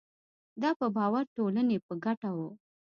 دا په باور د ټولنې په ګټه وو.